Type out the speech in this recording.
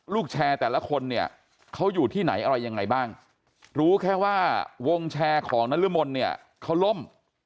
แชร์แต่ละคนเนี่ยเขาอยู่ที่ไหนอะไรยังไงบ้างรู้แค่ว่าวงแชร์ของนรมนเนี่ยเขาล่ม